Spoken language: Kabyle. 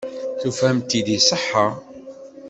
Tufamt-t-id iṣeḥḥa.